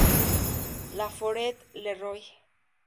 La Forêt-le-Roi